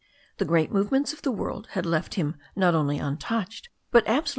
The great movements of the world had left him not only untouched, buV ^Xi^oVaX.